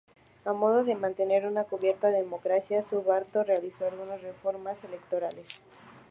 A modo de mantener una cubierta democracia, Suharto realizó algunas reformas electorales.